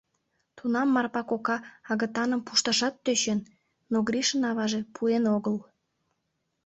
Тунам Марпа кока агытаным пушташат тӧчен, но Гришын аваже пуэн огыл.